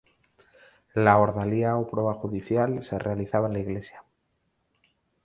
La ordalía o prueba judicial se realizaba en la iglesia.